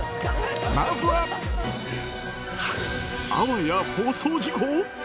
まずは、あわや放送事故？